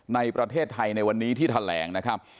ในประเทศไทยในวันนี้ที่แถลงนะครับ